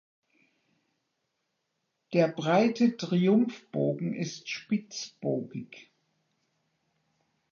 Der breite Triumphbogen ist spitzbogig.